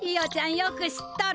よく知っとる。